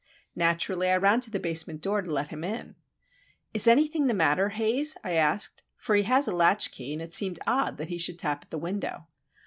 Naturally I ran to the basement door to let him in. "Is anything the matter, Haze?" I asked,—for he has a latchkey, and it seemed odd that he should tap at the window.